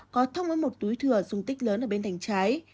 có thông với một túi thừa dùng tích lớn ở bên thành trái